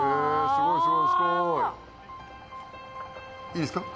いいですか？